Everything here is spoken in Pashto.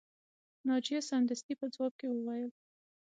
ناجیه سمدستي په ځواب کې وویل